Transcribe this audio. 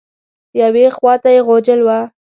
یوې خوا ته یې غوجل وه.